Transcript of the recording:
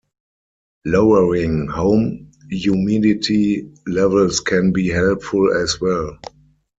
Lowering home humidity levels can be helpful as well.